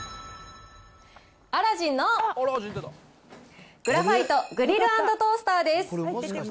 アラジンのグラファイトグリル＆トースターです。